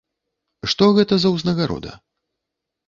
Што гэта за ўзнагарода?